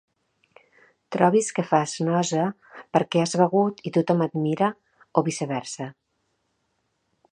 Trobis que fas nosa perquè has begut i tothom et mira, o viceversa.